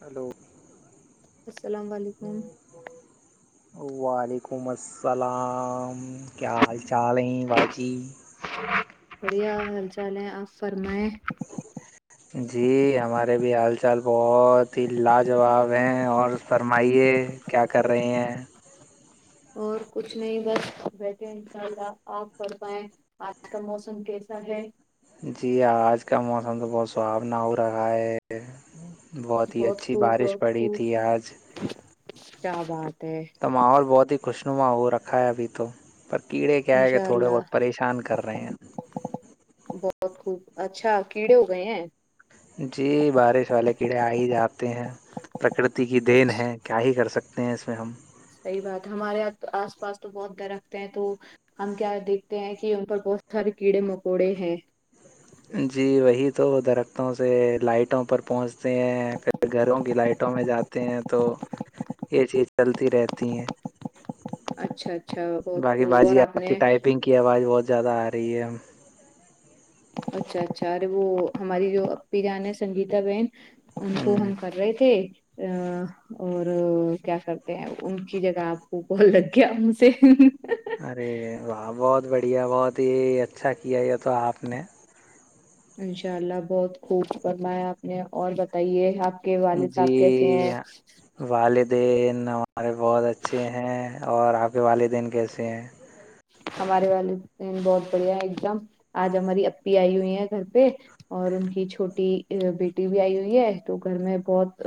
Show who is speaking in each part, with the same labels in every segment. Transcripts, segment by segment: Speaker 1: hello
Speaker 2: السلام علیکم
Speaker 1: وعلیکم السلام کیا حال چال ہیں بھ جی
Speaker 2: بڑھیا حال چال ہے آپ فرمائ
Speaker 1: جی ہمارے بھی حال چال بہت ہی لاجواب ہیں اور فرمائیے کیا کر رہے ہیں
Speaker 2: اور کچھ نہیں بس بیٹھے ان شاء اللہ آپ پڑھ پائیں آج کا موسم کیسا ہے
Speaker 1: جی آج کا موسم تو بہت سہافنا ہو رہا ہے بہت ہی اچھی
Speaker 2: خوب
Speaker 1: بارش
Speaker 2: بہت
Speaker 1: پڑی
Speaker 2: خوب
Speaker 1: تھی آج
Speaker 2: کیا بات ہے [unintelligible]
Speaker 1: تو ماحول بہت ہی خوشنما وہ رکھا بھی تو پر کیڑے کیا ہے کہ
Speaker 2: انشاء
Speaker 1: تھوڑے بہت
Speaker 2: اللہ
Speaker 1: پریشان کر رہے ہیں
Speaker 2: بہت خوب اچھا کیڑے ہو گئے ہیں
Speaker 1: جی بار والے کیڑے آ ہی جاتے ہیں پرکرتی کی دین
Speaker 2: اچھا
Speaker 1: ہے کیا ہی کر سکتے ہیں اس میں ہم
Speaker 2: صحیح بات ہے ہمارے یہاں آس پاس تو بہت درخت ہیں تو ہم کیا دیکھتے ہیں کہ یہ پر بہت سارے کیڑے مکوڑے ہیں
Speaker 1: جی وہی تو درختوں سے لائٹوں پر پہنچ ہیں پھر گھروں کی لائٹوں میں جاتے ہیں تو یہ چیز چلتی رہتی ہیں
Speaker 2: اچھا اچھا بہت
Speaker 1: باقی
Speaker 2: خوب اور
Speaker 1: باازی آپ
Speaker 2: نے
Speaker 1: کی ٹائپنگ کی آواز بہت زیادہ آ رہی ہے ہم
Speaker 2: اچھا اچھا اوررے وہ ہماری جو ای جان ہے سنگیتا بہن ان کو
Speaker 1: ہوں
Speaker 2: ہم کر رہے تھے ا اور کیا کرتے ہیں ان کی جگہ آپ کو بت لگ گیا ان سے
Speaker 1: ارے واہ بہت بڑھیا بہت ہی اچھا کیا یہ تو آپ نے
Speaker 2: انشاء اللہ بہت خوب فرمایا آپ نے اور بتائیے آپ کے والد
Speaker 1: جی
Speaker 2: صاحب کیسے ہیں
Speaker 1: والدین ہمارے بہت اچھے ہیں اور آپ کے والدین کیسے ہیں
Speaker 2: ہمارے والد دین بہت بڑھیا ہے ایک دم آج ہماری اپی آئی ہوئی ہے گھر پہ اور ان کی چھوٹی بیٹی بھی آئی ہوئی ہے تو گھر میں بہت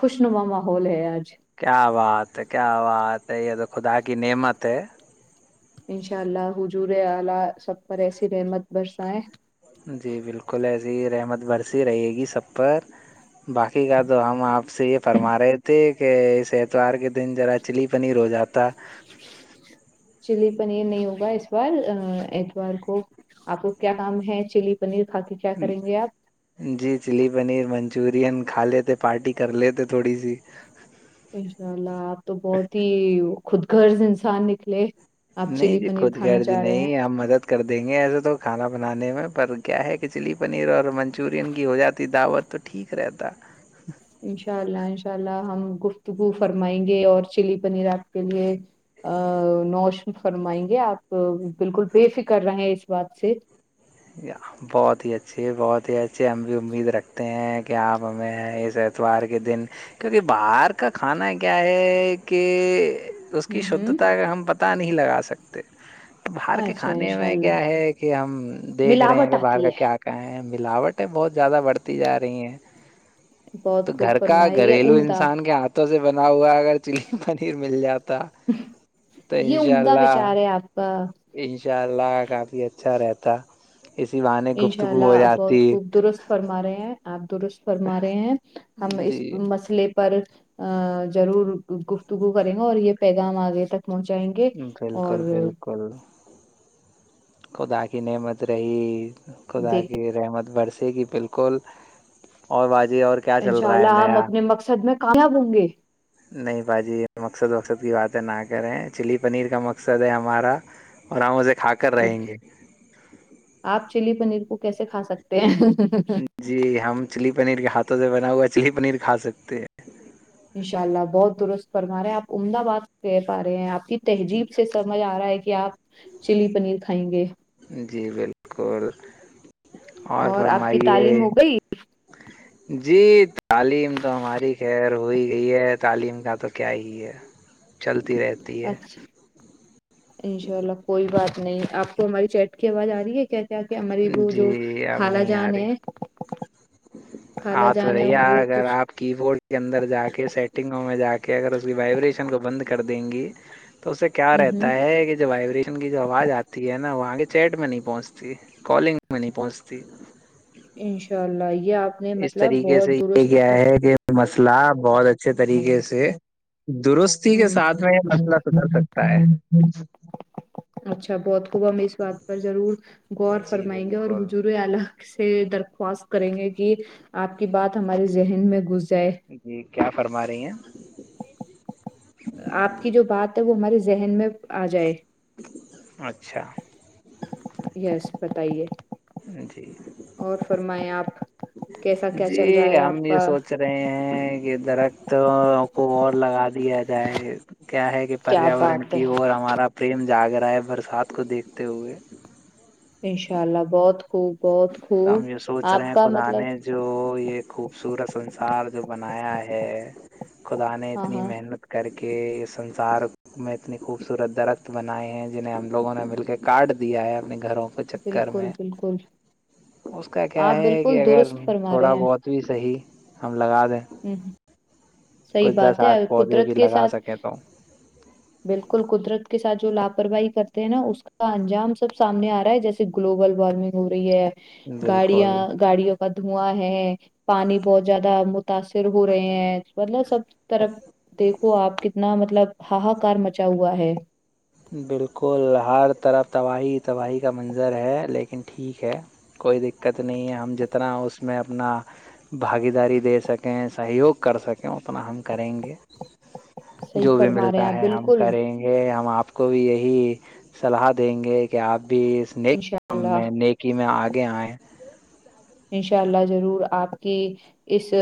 Speaker 2: خوش نوا ماحول ہے آج
Speaker 1: کیا بات ہے کیا بات ہے یہ تو خدا کی نعمت ہے
Speaker 2: انشاء اللہ حجور اعلی سب پر ایسی رحمت برسائے
Speaker 1: جی بالکل ایسیے ہی رحمت برسی رہے گی سب پر باقی کا تو ہم آپ سے یہ فرما رہے تھے کہ اس اتوار کے دن ذرا مچھلی پانی ر ہو جاتا
Speaker 2: چلی پنیر نہیں ہوگا اس بار اتوار کو آپ کو کیا کام ہے چلی پنیر کھا کے کیا
Speaker 1: جی
Speaker 2: کریں
Speaker 1: [unintelligible]
Speaker 2: گے آپ
Speaker 1: جی چلی پنیر منچورین کھا لیتے پارٹی کر لیتے تھوڑی سی
Speaker 2: انشاء اللہ آپ تو بہت ہی خود گرض انسان نکلے آپ
Speaker 1: نہیں
Speaker 2: چلی
Speaker 1: جی
Speaker 2: پنیر
Speaker 1: خود
Speaker 2: کھانا
Speaker 1: گارض
Speaker 2: چاہ رہے ہیں
Speaker 1: نہیں ہمپ مدد کر دیں گے ایسے تو کھانا بنانے میں پر کیا ہے کہ چلی پنیر اور منچورین کی ہو جاتی دعوت تو [unintelligible] [unintelligible] ٹھیک رہتا
Speaker 2: انشاء اللہ انشاء اللہ ہم گفتگو فرمائیں گے اور چلی پنیر آپ کے لیے ا نوشن فرمائیں گے آپ بالکل بے فکر رہے اس بات سے
Speaker 1: یا [inaudible] بہت ہی اچھی بہت ہی اچھے ہم بھی امید رکھتے ہیں کہ آپ ہمیں ہیں اس اتوار کے دن کیونکہ باہر کا کھانا کیا ہے کہ اس کی
Speaker 2: ہ ہ
Speaker 1: شدھتا کا ہم پتاہ نہیں لگا سکتے باہر کے
Speaker 2: اچھا
Speaker 1: کھانے
Speaker 2: انشاء
Speaker 1: میں
Speaker 2: اللہ
Speaker 1: کیا ہے کہ ہم دیکھ رہے ہیں
Speaker 2: ملاوٹ
Speaker 1: کہ باہر
Speaker 2: آتی ہے
Speaker 1: کا کیا ملاوٹیں بہت زیادہ بڑھتی جا رہی ہیں تو
Speaker 2: بہت خوب
Speaker 1: گھر کا
Speaker 2: فرمائی یہ
Speaker 1: گھریلو
Speaker 2: عمدہ
Speaker 1: انسان کیا آتا توں سے بنا ہوا اگر چلی پنیر مل جاتا [unintelligible] تو
Speaker 2: یہ
Speaker 1: انشاء
Speaker 2: عمدہ
Speaker 1: اللہ
Speaker 2: وچار ہے آپ کا
Speaker 1: انشاء اللہ کافی اچھا رہتا اسی واہن
Speaker 2: انشاء اللہ اب بہت خوب درست فرما رہے ہیں آپ درست فرما رہے ہیں ہم اس
Speaker 1: جی
Speaker 2: مسئلے پہ پر ا ضرور گفتگو کریں گا اور یہ پیغام آگے تک پہنچائیں گے اور
Speaker 1: بل خدا کی نعمت رہی خدا
Speaker 2: دیکھ
Speaker 1: کی رحمت برسے کی بالکل اور واازی اور کی
Speaker 2: انشاء اللہ ہم اپنے مقصد میں کامیاب ہوں گے
Speaker 1: نہیں بھا جی مقصد وقصد کی باتیں نہ کریں چلی پنیر کا مقصد ہے ہمارا اوررام سے کھ
Speaker 2: اوکے آپ چلی پنیر کو کیسے کھا سکتے ہیں
Speaker 1: جی ہم چلی پنیر کے ہاتھوں سے بنا ہوا ہے چلی پنیر کھا سکتے ہیں
Speaker 2: انشاء اللہ بہت درست فرمارے ہیں آپ عمدہ باد کہہ پا رہے ہیں آپ کی تہذیب سے سمجھ آ رہا ہے کہ آپ چلی پنیر کھائیں گے
Speaker 1: جی بالکل
Speaker 2: اور آپ کی تعلیم ہو گئی
Speaker 1: جی تعلیم تو ہماری خیر ہوئی گئی ہے تعلیم کا تو کیا ہی ہے چلتی رہتی ہے
Speaker 2: اچھا انشاء اللہ کوئی بات نہیں آپ کو ہماری چیٹ کی آواز آ رہی ہے کیا کیا کیا مری وہ جو
Speaker 1: جی
Speaker 2: خالا جان ہے خالا
Speaker 1: ہاں تو
Speaker 2: جان ہے
Speaker 1: رہیے
Speaker 2: وہ
Speaker 1: اگر
Speaker 2: کچھ
Speaker 1: آپ کی بورڈ کے اندر جا کے سیٹنگوں میں جا کے اگر اس کی وائبریشن کو بند کر دیں گی تو اسے کیا
Speaker 2: ہ
Speaker 1: رہتا ہے کہ جو وائبریشن کی جو آواز آتی ہے نا وہ آگے چیٹ میں نہیں پہنچتی [unintelligible] کالنگ میں نہیں پہنچتی
Speaker 2: ان شاء اللہ آئیے آپ نے
Speaker 1: اس
Speaker 2: مطلب
Speaker 1: طریقے سے
Speaker 2: بہت
Speaker 1: یہ
Speaker 2: درست
Speaker 1: کیا
Speaker 2: ہ
Speaker 1: ہے کہ مسئلہ بہت اچھے طریقے سے درست کسی کے ساتھ میں یہ مسلہ سدر سکتا ہے
Speaker 2: [unintelligible]
Speaker 1: جی بالکل
Speaker 2: سے درخواست کریں گے کہ آپ کی بات ہمارے ذہن میں گس جائے
Speaker 1: جی کیا فرما رہی ہیں
Speaker 2: آپ کی جو بات ہے وہ ہمارے ذہن میں آ جائے
Speaker 1: اچھا
Speaker 2: یس بتائیے
Speaker 1: جی
Speaker 2: فرمائ آپ کا کیسا کیا
Speaker 1: جی
Speaker 2: چل رہا ہے
Speaker 1: ہم
Speaker 2: آپ
Speaker 1: یہ سوچ سچ رہے ہیں کہ درخت کو اور لگا دیا جائے کیا ہے کہ کہ
Speaker 2: کیا
Speaker 1: پریاورن
Speaker 2: بات ہے
Speaker 1: کی اور ہمارا پریم جاگ رہا ہے برسات کو دیکھتے ہوئے
Speaker 2: انشاء اللہ بہت خوب بہت
Speaker 1: تو
Speaker 2: خوب
Speaker 1: ہم یہ سوچ رہے
Speaker 2: آپ
Speaker 1: ہیں
Speaker 2: کا
Speaker 1: خدا
Speaker 2: مطلب
Speaker 1: نے جو یہ خوبصورت سنسار جو بنایا ہے خدا نے
Speaker 2: ہاں
Speaker 1: اتنی
Speaker 2: ہاں
Speaker 1: محنت کر کے اس سنسار اتنی خوبصورت درخت بنائے ہیں جنہیں ہم لوگوں نے مل کے کاارڈ دیا ہے اپنے گھروں کو
Speaker 2: بالکل بالکل
Speaker 1: اس کا کیا
Speaker 2: آپ
Speaker 1: ہے کہ
Speaker 2: بالکل
Speaker 1: اگر
Speaker 2: درست فرما
Speaker 1: تھوڑا
Speaker 2: رہے ہیں
Speaker 1: بہت بھی صحیح ہم لگا دیں
Speaker 2: ہ صحیح
Speaker 1: کچھ دس
Speaker 2: بات ہے
Speaker 1: آٹھ پودے
Speaker 2: قدرت
Speaker 1: بھی
Speaker 2: کے
Speaker 1: لگا
Speaker 2: ساتھ
Speaker 1: سکیں تو
Speaker 2: بالکل قدرت کے سھ جو لاپرواہی کرتے ہیں نا اس کو کا انجام سب سامنے آ رہا ہے جیسے گلوبل وارمنگ ہو رہی ہے گاڑیاں
Speaker 1: بالکل
Speaker 2: گاڑیوں کا دھواں ہے پانی بہت زیادہ متاثر ہو رہے ہیں مطلب سب طرف دیکھو آپ کتنا مطلب ہا ہ کار مچا ہوا ہے
Speaker 1: بالکل ہر طرف تباہی تباہی کا منظر ہے لیکن ٹھیک ہے کوئی دقت نہیں ہے ہم جتنا اس میں اپنا بھاگییداری دے سکیں سہیوگ کر سکیں اتنا ہم کریں گے
Speaker 2: صحیح
Speaker 1: جو بھی
Speaker 2: فرما رہے ہیں
Speaker 1: ملتا
Speaker 2: آپ
Speaker 1: ہے ہم
Speaker 2: بالکل
Speaker 1: کریں ہم آپ کو بھی یہی سلاح دیں گے کہ آپ بھی اس نیک
Speaker 2: انشاء
Speaker 1: کام
Speaker 2: اللہ
Speaker 1: میں نیک کہ میں آگے آئیں
Speaker 2: انشاء اللہ ضرور آپ کی اس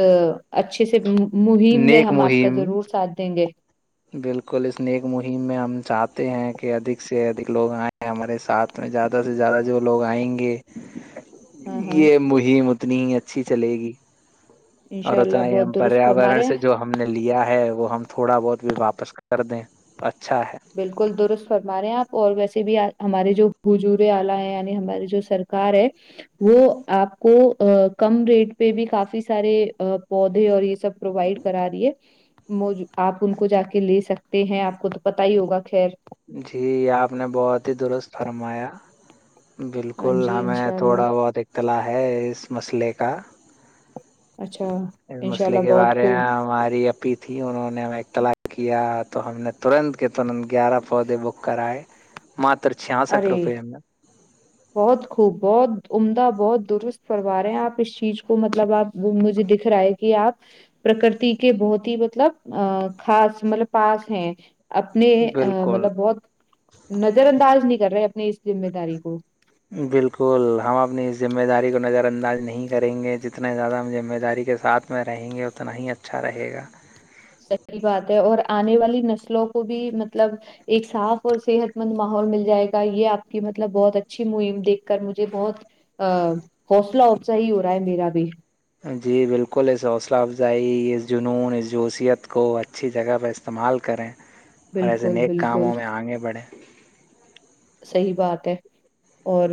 Speaker 2: اچھے سے مہم میں
Speaker 1: نیک
Speaker 2: ہم آپ کا
Speaker 1: مہم
Speaker 2: ضرور ساتھ دیں گے
Speaker 1: بالکل اس نیک مہم میں ہم چاہتے ہیں کہ ادک سے ادھک لوگ آئ ہمارے ساتھ میں زیادہ سے زیادہ جو لوگ آئیں گے
Speaker 2: [inaudible]
Speaker 1: یہ مہم اتنی ہی اچھی چلے گی اور
Speaker 2: انشاء اللہ
Speaker 1: اتنا ہی ہم
Speaker 2: بہت درست فرما
Speaker 1: پریاورن
Speaker 2: رہے
Speaker 1: سے
Speaker 2: ہیں
Speaker 1: جو ہم نے لیا ہے وہ ہم تھوڑا بہت بھی واپس کر دیں تو اچھا ہے
Speaker 2: بالکل درست فرما رہے ہیں آپ اور ویسے بھی ہمارے جو حجورے آلہ ہے یعنی ہماری جو سرکار ہے وہ آپ کو کم ریٹ پہ بھی کافی سارے پودے اور یہ سب پرووائڈ کرا رہی ہے م آپ ان کو جا کے لے سکتے ہیں آپ کو پت ہی ہوگا خیر
Speaker 1: جی آپ نے بہت ہی درست فرمایا
Speaker 2: ہاں
Speaker 1: بالکل
Speaker 2: جی
Speaker 1: ہمیں
Speaker 2: انشاء اللہ
Speaker 1: تھوڑا بہت اطلاع ہے اس مسئلے کا
Speaker 2: اچھا
Speaker 1: اس
Speaker 2: انشاء اللہ
Speaker 1: مسئلے کے
Speaker 2: بہت
Speaker 1: بارے
Speaker 2: خوب
Speaker 1: ہیں ہماری اپ تھی انہوں نے ہمیں اختلاق کیا تو ہم نے ترنت کے تنت گیارہ فودے بک کرا ہے ماتر چسٹھ روپ
Speaker 2: ارے
Speaker 1: میں
Speaker 2: بہت خوب بہت عمدہ بہت درست فوا رہے ہیں آپ اس چیز کو مطلب آپ مجھے دکھ رہا ہے کہ آپ پرکرتی کے بہت ہی مطلب ا خاص مطلب پاس ہیں اپنے
Speaker 1: بالکل
Speaker 2: مطلب بہت نظر انداز نہیں کر رہے اپنی اس ذمہ داری کو
Speaker 1: بالکل ہم اپنی اس ذمہ داری کو نظر انداز نہیں کریں گے جتنے زیادہ ہم ذمہ داری کے ساتھ ات میں رہیں گے اتنا ہی اچھا رہے گا
Speaker 2: صحی بات ہے اور آنے والی نسلوں کو بھی مطلب ایک صاف اور صحت مند ماحول مل جائے گا یہ آپ کی مطلب بہت اچھی مہم دیکھ کر مجھے بہت ا حوصلہ حوفزا ہی ہو رہا ہے میرا بھی
Speaker 1: بالکل اس حوصلہ افزائیت کو اچھی جگہ میں استعمال کریں اور ایسے
Speaker 2: بالکل
Speaker 1: نیک
Speaker 2: بالکل
Speaker 1: کاموں میں آگے بڑھیں
Speaker 2: صحیح بات ہے اور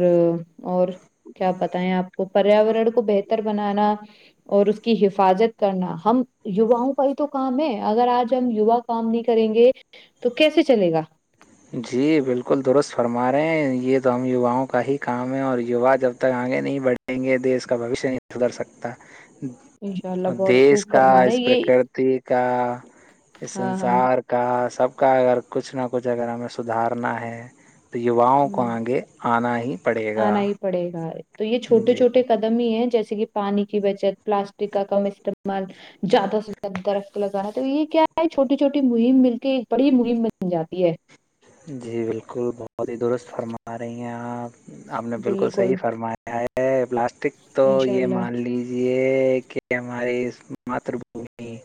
Speaker 2: اور کیا بتائیں آپ کو پریاورن کو بہتر بنانا اور اس کی حفاظت کرنا ہم یواؤں کا ہی تو کام ہے اگر آج ہم یوا کام نہیں کریں گے تو کیسے چلے گا
Speaker 1: جی بالکل درست فرما رہے ہیں یہ تو ہم یواؤں کا ہی کام ہے اور یووا جب تک آگے نہیں بڑھے آیں گے دیش کا بھوشیہ نہیں سدھر سکتا
Speaker 2: انشاء
Speaker 1: اور
Speaker 2: اللہ بہت
Speaker 1: دیش
Speaker 2: خوب
Speaker 1: کا
Speaker 2: فرما رہے
Speaker 1: اس
Speaker 2: یہ
Speaker 1: پرکرتی کا اس
Speaker 2: ہاں ہاں
Speaker 1: سنسار کا کا سب کا اگر کچھ نہ کچھ اگر ہمیں سدھارنا ہے تو یواؤں کو
Speaker 2: ہ
Speaker 1: آگے آنا ہی پڑے گا
Speaker 2: آنا ہی پڑے گا تو یہ چھوٹے
Speaker 1: جی
Speaker 2: چھوٹے
Speaker 1: بل-
Speaker 2: قد م ہی ہے جیسے کہ پانی کی بچت پلاسٹک کا کم استعمال زیادہ سے زیادہ درخت لگانا ہے تو یہ کیا ہے چھوٹی چھوٹی مہم مل کے ایک بڑی مہم بن جاتی ہے
Speaker 1: جی بالکل بہت ہی درست فرما رہی ہیں آپ آپ نے بالکل صحیح فرمایا کیا ہے پلاسٹک تو
Speaker 2: انشاء
Speaker 1: یہ
Speaker 2: اللہ
Speaker 1: مان لیج یہ کہ ہماری ماتر بھمی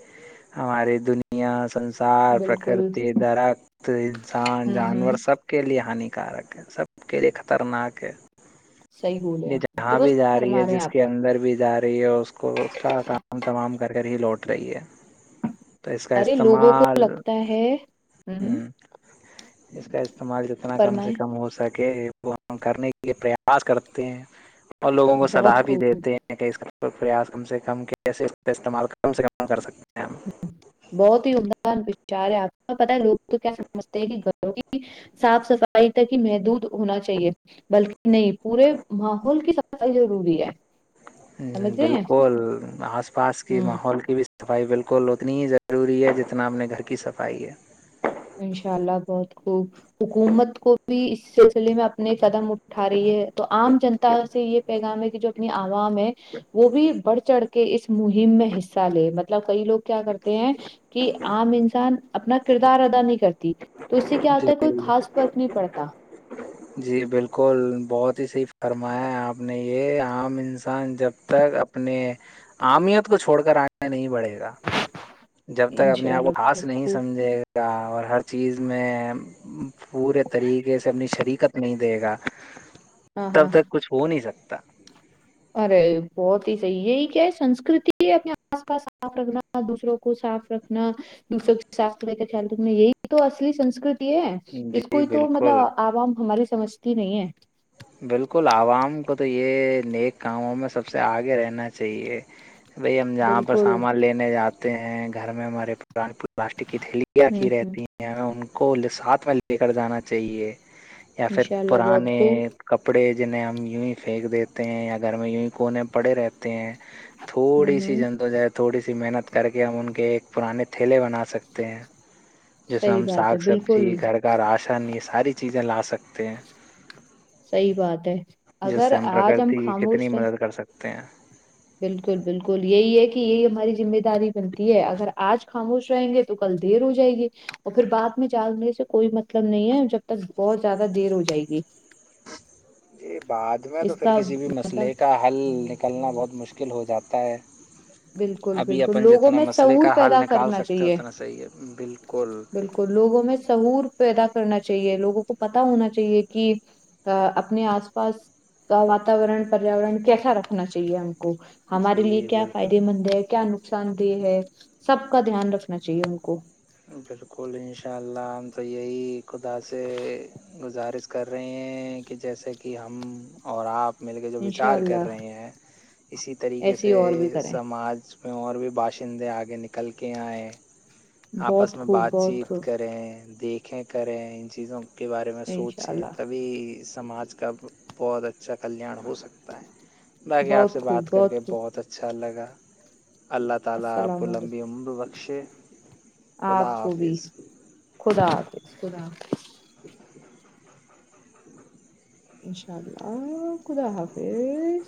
Speaker 1: ہماری دنیا س سار
Speaker 2: بالکل
Speaker 1: پرکرتی درخت انسان
Speaker 2: ہوں ہوں
Speaker 1: جانور سب سب کے لیے ہانیکارک ہے سب کے لیے خطرناک ہے
Speaker 2: صحیح بولے
Speaker 1: ج
Speaker 2: آپ
Speaker 1: جہاں بھی
Speaker 2: درست
Speaker 1: جا رہی ہے
Speaker 2: فرما رہے ہیں
Speaker 1: جس کے
Speaker 2: آپ
Speaker 1: اندر بھی جا رہی ہے کو اس کا کام تمام کر کر ہی لوٹ رہی ہے تو اس کا
Speaker 2: ارے لوگوں کو
Speaker 1: استعمال
Speaker 2: لگتا ہے ہ
Speaker 1: اس کا استعمال کتنا کم سے
Speaker 2: فرمائیں
Speaker 1: کم ہو سکے وہ ہم کرنے کے پریاس کرتے ہیں اور لوگوں کو
Speaker 2: بہت
Speaker 1: صلاح بھی
Speaker 2: خوب
Speaker 1: دیتے ہیں اس پریاس کم سے کم کیسے اس کا استعمال کم سے کم کر سکتے ہیں ہم
Speaker 2: بہت ہی عدہ س پچاار ہے آپ کو پتا لوگ تو کیا سمجتے ہیں کہ گوں کی صاف صفائی تک ہی محدود ہونا چاہیے بلکہ نہیں پورے ماحول کی صفائی ضروری ہے
Speaker 1: ہ
Speaker 2: سمجھ رہے ہیں
Speaker 1: بالکل آس پاس کی
Speaker 2: ہوں
Speaker 1: ماحول کی بھی صفائی بالکل اتنی ہی ضروری ہے جتنا اپنے گھر کی صفائی ہے
Speaker 2: انشاء اللہ بہت خوب حکومت کو بھی اس سلسلے میں اپنے قدم اٹھا رہی ہے تو عام جن سے یہ پیغام ہے کہ جو اپنی عوام ہے وہ بھی بڑھ چڑھ کر کے اس مہم میں حصہ لے مطلب کئی لوگ کیا کرتے ہیں کہ عام انسان اپنا کردار ادا نہیں کرتی تو اس سے کیا آتا ہے کوئی خاص فرق نہیں پڑتا
Speaker 1: جی بالکل بہت ہی صحیح فرمایا ہے آپ نے یہ عام انسان جب تک اپنے امیت کو چھوڑ کر آنے نہیں بڑھے گا جب تک اپنے
Speaker 2: انشاء
Speaker 1: آپ کو
Speaker 2: اللہ
Speaker 1: خاص
Speaker 2: بہت
Speaker 1: نہیں
Speaker 2: خوب
Speaker 1: سمجھے گا اور ہر چیز میں پورے طریقے سے اپنی شریکت نہیں دے گا
Speaker 2: ہاں ہاں
Speaker 1: تب تک کچھ ہو نہیں سکتا
Speaker 2: ارے بہت ہی صحیح یہی کیا ہے سسکرتی ہے اپنے آس پاس صاف رکھنا دوسروں کو صاف رکھنا دوسروں سے صاف خیال رکھنا یہی تو اصلی سسکرتی اس
Speaker 1: جی
Speaker 2: کوئی تو
Speaker 1: بالکل
Speaker 2: مطلب عوام ہماری سمجھتی نہیں ہے
Speaker 1: بالکل عوام کو تو یہ نیک کاموں میں سب سے آگے رہنا اہیے بھائی ہم جہاں پر
Speaker 2: بالکل
Speaker 1: سامان لینے جاتے ہیں گھر میں ہمارے پا ران پور پلاسٹک کی تھیلیاں
Speaker 2: ہوں
Speaker 1: کیھی
Speaker 2: ہوں
Speaker 1: رہتی ہیں ن ان کو ل ساتھ میں لے کر جانا چاہیے یا پھر
Speaker 2: انشاء اللہ بہت
Speaker 1: پرانے
Speaker 2: خوب
Speaker 1: کپڑے جنہیں ہم یوں ہی پھینک دیتے ہیں یا گھر میں یوں ہی کونے پڑے رہتے ہیں
Speaker 2: ہوں
Speaker 1: تھوڑی سی
Speaker 2: ہوں
Speaker 1: جنت جائے تھوڑی سی محنت کر کے ہم ان کے ایک پرانے تھیلے بناات سکتے ہیں جس میں
Speaker 2: صحیح
Speaker 1: ہم
Speaker 2: بات ہے
Speaker 1: ساگ سبزی
Speaker 2: بالکل
Speaker 1: گھر آسانی یہ ساری چیزیں لا سکتے ہیں
Speaker 2: صی بات ہے
Speaker 1: جس
Speaker 2: اگر
Speaker 1: سے ہم
Speaker 2: آج
Speaker 1: پرکرتی کی کتنی
Speaker 2: خاموش رہیں
Speaker 1: مدد کر سکتے ہیں
Speaker 2: بالکل بالکل یہی ہے کہ یہی ہماری ذمہ داری بنتی ہے اگر آج خاموش رہیں گے تو تو کل دیر ہو جائے گی اور پھر بد میں جگنے سے کوئی مطلب نہیں ہے جب تک بہت زیادہ دیر ہو جائے گی
Speaker 1: جی بعد میں تو
Speaker 2: اس
Speaker 1: پھر
Speaker 2: کا
Speaker 1: کسی بھی
Speaker 2: مطلب
Speaker 1: مسئلے کا حل نکلنا بہت مشکل ہو جاتا ہے
Speaker 2: بالکل
Speaker 1: ابھی
Speaker 2: بالکل
Speaker 1: اپن
Speaker 2: لوگوں
Speaker 1: جتنا
Speaker 2: میں
Speaker 1: مسئلے
Speaker 2: شعور
Speaker 1: کا حل
Speaker 2: پیدا
Speaker 1: نکال
Speaker 2: کرنا
Speaker 1: سکتے ہیں
Speaker 2: چاہیے
Speaker 1: اتنا صحیح ہے بالکل
Speaker 2: بالکل لوگوں میں سہور پیدا کرنا چاہیے لوگوں کو پتا ہونا چاہیے کہ ا اپنے آس پاس کا واتاورن پریاورن کیسا رکھنا چاہیے ہم کو ہمارے لیے
Speaker 1: جی
Speaker 2: کیا
Speaker 1: بالکل
Speaker 2: فائدے مند ہے کیا نقصان دہ ہے سب کا دھیان رکھنا چاہیے ہم کو
Speaker 1: بالکل ان شاء اللہ ہم تو یہی خدا سے گزارش کر رہے ہیں کہ جیسے کہ ہم اور آپ مل کے جو
Speaker 2: انشاء
Speaker 1: وچار
Speaker 2: اللہ
Speaker 1: کر رہے ہیں اسی طریقے
Speaker 2: ایسی
Speaker 1: سے
Speaker 2: اور بھی کریں
Speaker 1: سماج میں اور بھی باشندے آگے نکل کے آئے آپس
Speaker 2: بہت
Speaker 1: میں
Speaker 2: خوب
Speaker 1: بات
Speaker 2: بہت
Speaker 1: چیت
Speaker 2: خوب
Speaker 1: کریں دیکھ کھیں کریں ان چیزوں کے بارے میں
Speaker 2: انشاء
Speaker 1: سوچیں
Speaker 2: اللہ
Speaker 1: تبھی سماج کا بہت اچھا کلیان ہو سکتا ہے باقی آپ سے
Speaker 2: بہت خوب
Speaker 1: بات کر کے
Speaker 2: خوب
Speaker 1: بہت اچھا
Speaker 2: السلام علیکم
Speaker 1: [unintelligible]
Speaker 2: اپ
Speaker 1: خدا
Speaker 2: کو بھی
Speaker 1: حافظ
Speaker 2: خدا
Speaker 1: [unintelligible] [inaudible]
Speaker 2: انشاء اللہ خدا حافظ